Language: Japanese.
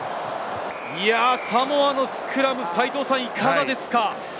サモアのスクラム、いかがですか？